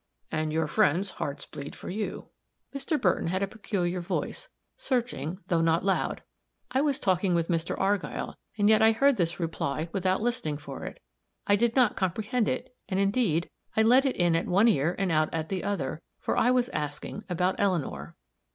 "And your friends' hearts bleed for you." Mr. Burton had a peculiar voice, searching, though not loud; I was talking with Mr. Argyll, and yet I heard this reply without listening for it; I did not comprehend it, and indeed, I let it in at one ear and out at the other, for I was asking about Eleanor.